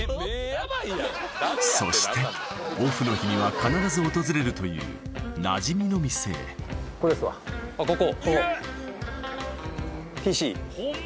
そしてオフの日には必ず訪れるというなじみの店へあっここ？